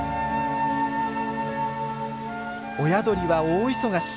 親鳥は大忙し。